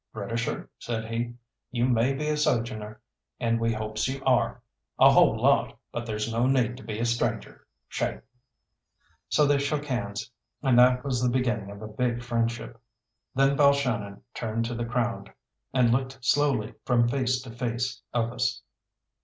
"Britisher," said he, "you may be a sojourner, and we hopes you are, a whole lot, but there's no need to be a stranger. Shake." So they shook hands, and that was the beginning of a big friendship. Then Balshannon turned to the crowd, and looked slowly from face to face of us.